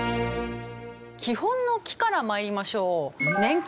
基本の基から参りましょう。